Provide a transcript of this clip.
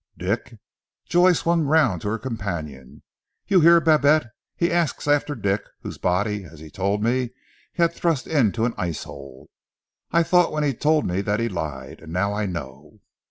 "Dick!" Joy swung round to her companion. "You hear, Babette. He asks after Dick, whose body, as he told me, he had thrust into an ice hole. I thought when he told me that he lied and now I know."